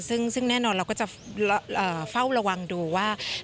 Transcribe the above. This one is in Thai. ซึ่งแน่นอนเราก็จะเฝ้าระวังดูว่า